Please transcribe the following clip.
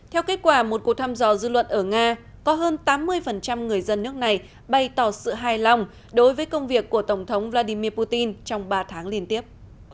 theo kết quả một cuộc thăm dò dư luận ở nga có hơn tám mươi người dân nước này bày tỏ sự hài lòng đối với công việc của tổng thống vladimir putin trong ba tháng liên tiếp